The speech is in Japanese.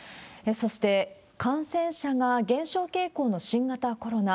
そして、感染者が減少傾向の新型コロナ。